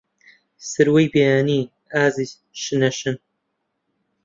سروەی بەیانی، ئازیز شنە شن